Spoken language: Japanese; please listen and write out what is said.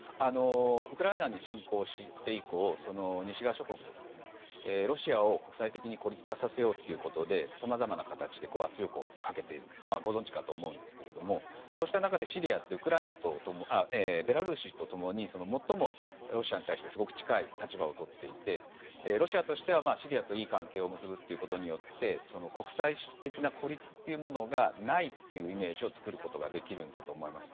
ウクライナに侵攻して以降西側諸国はロシアを国際的に孤立化させようということでさまざまな形で圧力をかけているのはご存じかと思うんですけどそうした中でシリアはベラルーシと共に最もロシアに対してすごく近い立場をとっていてロシアとしてはシリアといい関係を結ぶことによって国際的な孤立というものがないというイメージを作ることができるんだと思います。